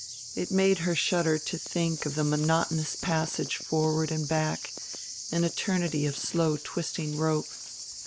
It made her shudder to think of the monotonous passage forward and back, an eternity of slow twisting rope.